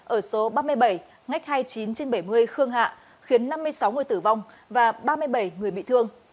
ở số ba mươi bảy ngách hai mươi chín trên bảy mươi khương hạ khiến năm mươi sáu người tử vong và ba mươi bảy người bị thương